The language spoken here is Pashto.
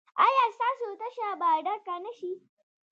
ایا ستاسو تشه به ډکه نه شي؟